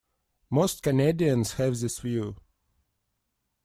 Most Canadians have this view.